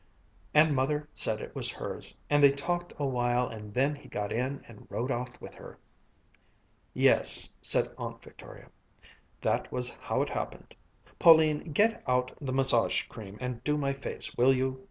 And Mother said it was hers, and they talked a while, and then he got in and rode off with her." "Yes," said Aunt Victoria, "that was how it happened.... Pauline, get out the massage cream and do my face, will you?"